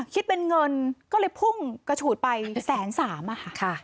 คิดเป็นเงินก็เลยพุ่งกระฉูดไป๑๐๓๐๐๐บาท